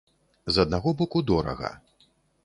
З аднаго боку дорага.